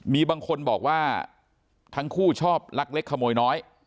มีบางคนบอกว่าทั้งคู่ชอบลักเล็กขโมยน้อย